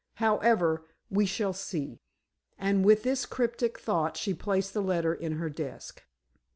However, we shall see," and with this cryptic thought she placed the letter in her desk.